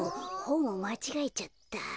ほんをまちがえちゃった。